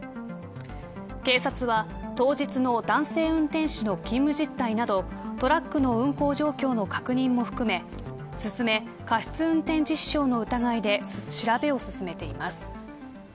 警察は当日の男性運転手の勤務実態などトラックの運行状況の確認も含め確認を進め過失運転致死傷の疑いで調べを進めています。